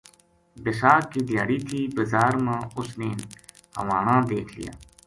بِساکھ کی دھیاڑی تھی بزار ما اُس نے ہوانا دیکھ لیا